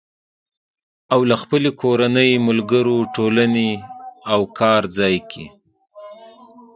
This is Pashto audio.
او له خپلې کورنۍ، ملګرو، ټولنې او کار ځای کې